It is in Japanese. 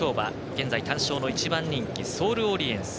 現在、単勝の１番人気ソールオリエンス。